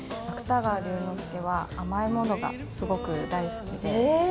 芥川龍之介は甘いものがすごく大好きで。